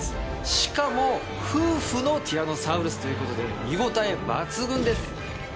しかも夫婦のティラノサウルスということで見応え抜群です。